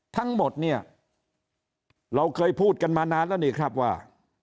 ทั้งหมดเนี่ยเราเคยพูดกันมานานแล้วนี่ครับว่า